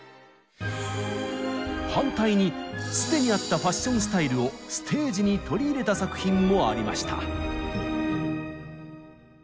反対に既にあったファッションスタイルをステージに取り入れた作品もありました。